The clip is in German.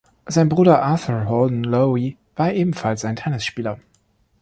Sein Bruder Arthur Holden Lowe war ebenfalls ein Tennisspieler.